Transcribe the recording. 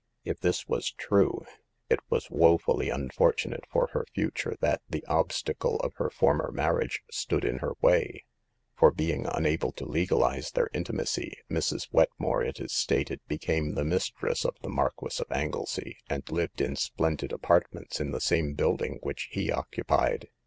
If this was true, it was wofully unfortunate for her future that the obstacle of her former marriage stood in her way ; for, being unable to legalize their intimacy, Mrs. Wetmore, it is stated, became the mistress of the Marquis of Anglesey, and lived in splendid apartments in the same building which he occupied.